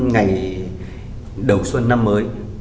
ngày đầu xuân năm mới